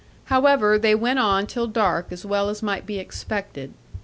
However, they went on till dark as well as might be expected.